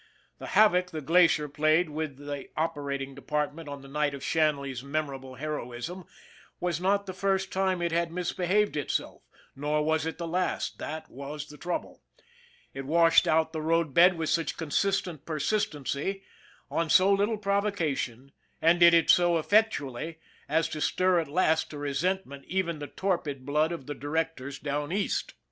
The havoc the Glacier played with the operating depart ment on the night of Shanley's memorable heroism was not the first time it had misbehaved itself, nor was it the last that was the trouble. It washed out the road bed with such consistent persistency, on so little provocation, and did it so effectually as to stir at last to resentment even the torpid blood of the directors down East.